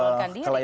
oleh karena itu